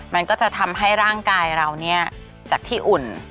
มันก็จะทำให้ร่างกายเราจากที่อุ่น